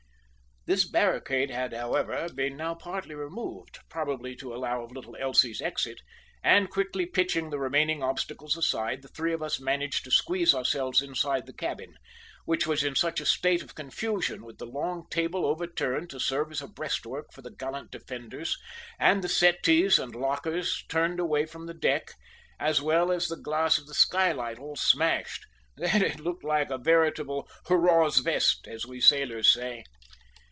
This barricade had, however, been now partly removed, probably to allow of little Elsie's exit, and, quickly pitching the remaining obstacles aside, the three of us managed to squeeze ourselves inside the cabin, which was in such a state of confusion, with the long table overturned to serve as a breastwork for the gallant defenders and the settees and lockers turned away from the deck, as well as the glass of the skylight all smashed, that it looked like a veritable "Hurrah's vest" as we sailors say.